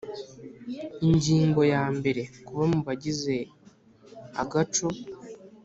Ingingo ya mbere Kuba mu bagize agaco